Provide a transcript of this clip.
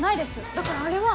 だからあれは。